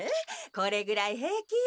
これぐらい平気よ。